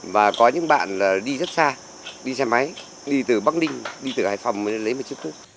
và có những bạn đi rất xa đi xe máy đi từ bắc ninh đi từ hải phòng mới lấy một chiếc cúp